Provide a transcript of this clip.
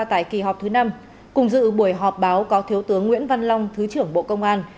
tại kỳ họp thứ năm cùng dự buổi họp báo có thiếu tướng nguyễn văn long thứ trưởng bộ công an